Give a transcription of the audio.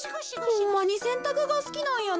ホンマにせんたくがすきなんやなぁ。